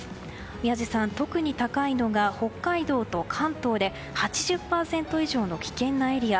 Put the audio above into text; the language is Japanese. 宮司さん、特に高いのが北海道と関東で８０％以上の危険なエリア。